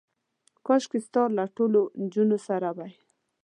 کاشکې ستا له ټولو نجونو سره وای.